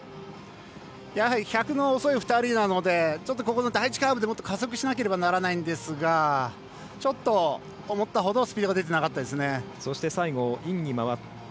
１００の遅い２人なのでちょっと第１カーブで加速しなければならないんですがちょっと、思ったほどスピードが出てなかったですね。